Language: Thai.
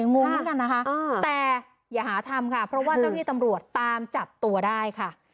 งงเหมือนกันนะคะแต่อย่าหาทำค่ะเพราะว่าเจ้าที่ตำรวจตามจับตัวได้ค่ะ